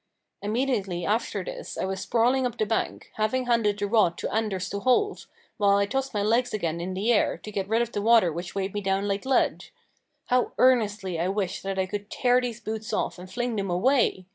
Immediately after this I was sprawling up the bank, having handed the rod to Anders to hold, while I tossed my legs again in the air, to get rid of the water which weighed me down like lead. How earnestly I wished that I could tear these boots off and fling them away!